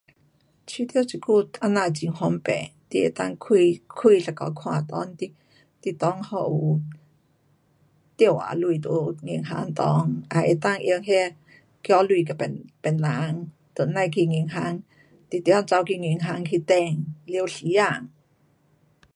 觉得这久这样很方便，你能够开，开一下看内，你，你内还有多少钱在银行内，也能够用那寄钱给别，别人。甭去银行，特特地跑去银行去等，完时间。